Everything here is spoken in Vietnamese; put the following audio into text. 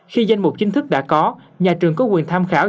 khi danh mục chính thức đã có nhà trường có quyền tham khảo